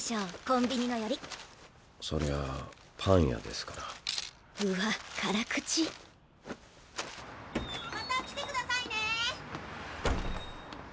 コンビニのよりそりゃパン屋ですからうわっ辛口・また来てくださいね！